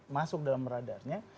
masuk dalam radarnya